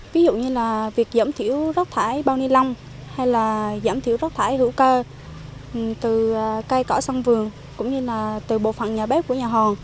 ví dụ như là việc giảm thiểu rác thải bao ni lông hay là giảm thiểu rác thải hữu cơ từ cây cỏ sân vườn cũng như là từ bộ phận nhà bếp của nhà hòn